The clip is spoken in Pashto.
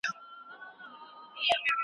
زه په کوڅې کي له بدو کارونو ځان ساتم.